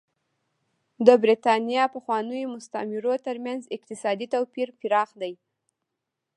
د برېټانیا پخوانیو مستعمرو ترمنځ اقتصادي توپیر پراخ دی.